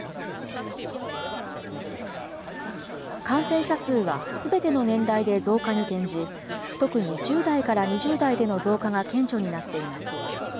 感染者数はすべての年代で増加に転じ、特に１０代から２０代での増加が顕著になっています。